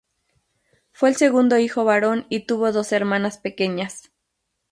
Fue el segundo hijo varón y tuvo dos hermanas pequeñas.